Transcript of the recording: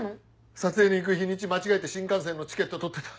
撮影に行く日にち間違えて新幹線のチケット取ってた。